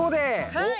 はい。